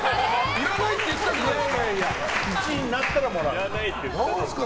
いらないって言ったじゃないですか。